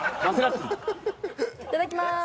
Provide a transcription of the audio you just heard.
いただきます。